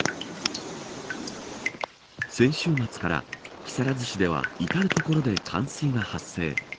先週末から木更津市では至る所で冠水が発生。